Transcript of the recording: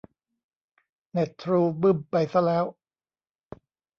เน็ตทรูบึ้มไปซะแล้ว